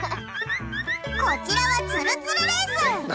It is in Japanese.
こちらはツルツルレース。